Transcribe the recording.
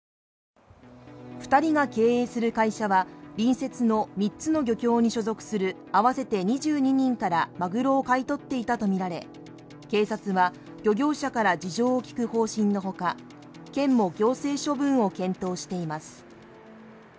２人が経営する会社は隣接の３つの漁協に所属する合わせて２２人からまぐろを買い取っていたとみられ警察は漁業者から事情を聴く方針のほか県も行政処分を検討しています。